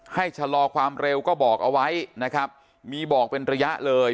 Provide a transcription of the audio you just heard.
ชะลอความเร็วก็บอกเอาไว้นะครับมีบอกเป็นระยะเลย